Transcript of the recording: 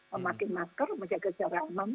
memakai masker menjaga jarak aman